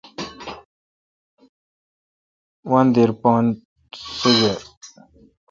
وندیر پان سگِر۔